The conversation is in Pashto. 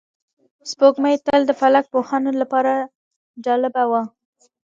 سپوږمۍ تل د فلک پوهانو لپاره جالبه وه